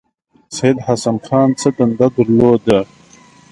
سید حسن خان څه دنده درلوده.